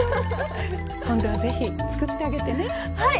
今度は、ぜひ、作ってあげてね。